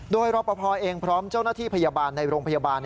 โดยรอปภเองพร้อมเจ้าหน้าที่พยาบาลในโรงพยาบาล